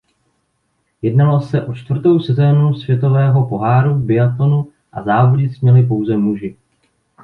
Jednalo se o čtvrtou sezónu Světového poháru v biatlonu a závodit směli pouze muži.